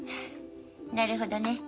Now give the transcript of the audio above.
なるほどね。